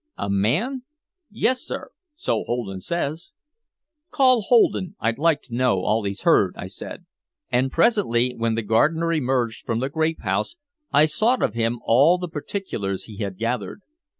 "A man!" "Yes, sir so Holden says." "Call Holden. I'd like to know all he's heard," I said. And presently, when the gardener emerged from the grape house, I sought of him all the particulars he had gathered.